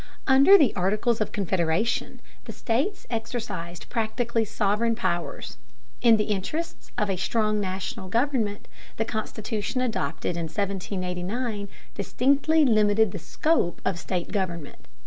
Under the Articles of Confederation the states exercised practically sovereign powers; in the interests of a strong National government the Constitution adopted in 1789 distinctly limited the scope of state government.